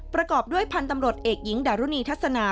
ประกอบด้วยพันธุ์ตำรวจเอกหญิงดารุณีทัศนา